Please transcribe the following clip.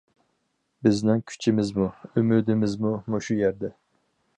بىزنىڭ كۈچىمىزمۇ، ئۈمىدىمىز مۇشۇ يەردە.